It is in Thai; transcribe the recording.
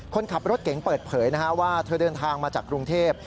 คนขับรถเก๋งเปิดเผยว่าเธอเดินทางมาจากกรุงเทพ